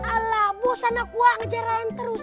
alah bosan aku gak ngejar ayam terus